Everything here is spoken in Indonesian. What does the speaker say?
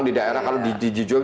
di daerah kalau di jujur